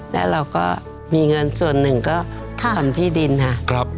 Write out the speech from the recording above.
แล้วเราก็มีเงินส่วนหนึ่งก็ทำที่ดินค่ะ